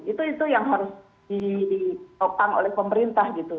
itu itu yang harus ditopang oleh pemerintah gitu